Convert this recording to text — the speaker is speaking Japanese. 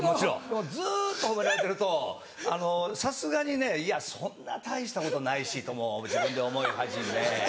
でもずっと褒められてるとさすがにねいやそんな大したことないしと自分で思い始め。